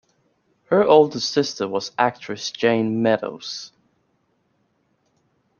Her older sister was actress Jayne Meadows.